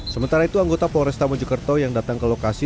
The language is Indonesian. sementara itu anggota polresta mojokerto yang datang ke lokasi